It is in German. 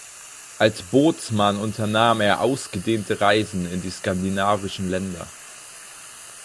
Als Bootsmann unternahm er ausgedehnte Reisen in die skandinavischen Länder.